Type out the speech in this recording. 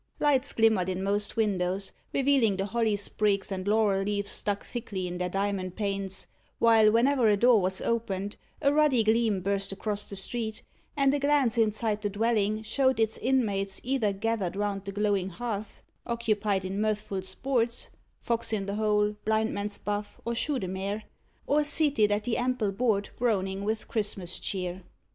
Lights glimmered in most windows, revealing the holly sprigs and laurel leaves stuck thickly in their diamond panes; while, whenever a door was opened, a ruddy gleam burst across the street, and a glance inside the dwelling showed its inmates either gathered round the glowing hearth, occupied in mirthful sports fox i' th' hole, blind man's buff, or shoe the mare or seated at the ample board groaning with Christmas cheer.